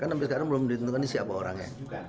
kan sampai sekarang belum ditentukan siapa orangnya